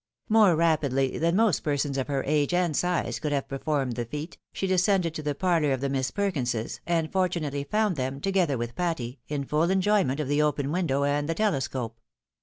More rapidly than most persons of her age and size could have performed the feat, she descended to the parlour of the INIiss Perkinses, and fortunately found them, together with Patty, in full enjoyment of the open window and the telescope.